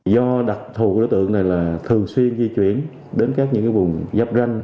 do đặc thù của đối tượng này là thường xuyên di chuyển đến các những vùng giáp ranh